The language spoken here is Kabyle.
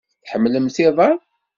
Tḥemmlemt iḍan?